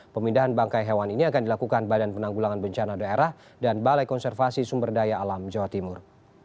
pemindahan bangkai hewan ini akan dilakukan badan penanggulangan bencana daerah dan balai konservasi sumber daya alam jawa timur